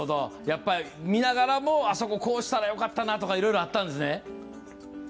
見ながらもこうしたらよかったなとかいろいろあったんですね。